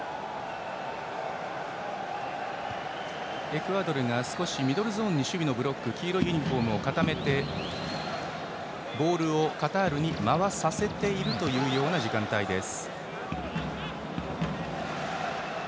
エクアドルがミドルゾーンに守備のブロック黄色いユニフォームを固めてボールをカタールに回させている時間帯です。